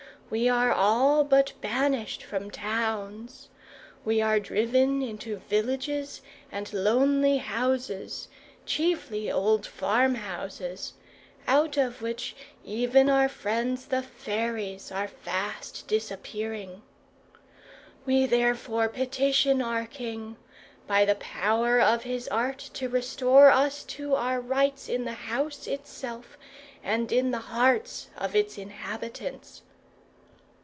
We are all but banished from towns. We are driven into villages and lonely houses, chiefly old farm houses, out of which, even, our friends the fairies are fast disappearing. We therefore petition our king, by the power of his art, to restore us to our rights in the house itself, and in the hearts of its inhabitants."